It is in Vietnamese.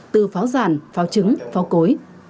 từ pháo giàn pháo trứng pháo cối